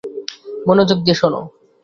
মনোযোগ দিয়ে শোন।